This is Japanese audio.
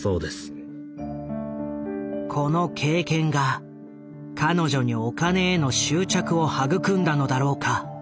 この経験が彼女にお金への執着を育んだのだろうか。